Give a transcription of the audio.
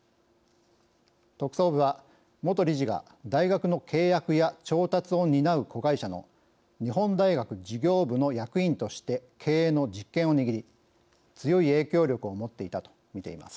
特捜部は元理事が大学の契約や調達を担う子会社の日本大学事業部の役員として経営の実権を握り強い影響力を持っていたとみています。